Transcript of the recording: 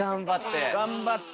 頑張って。